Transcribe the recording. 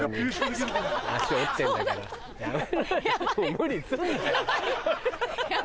無理すんな。